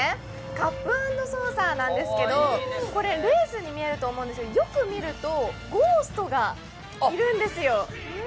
カップ＆ソーサーなんですけど、レースに見えるんですけどよく見るとゴーストがいるんですよ。